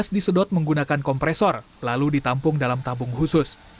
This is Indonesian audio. disedot menggunakan kompresor lalu ditampung dalam tabung khusus